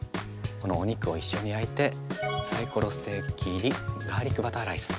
このお肉を一緒に焼いてサイコロステーキ入りガーリックバターライス